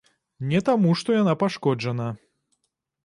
Не, таму што яна пашкоджана.